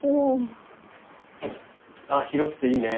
あぁ広くていいね。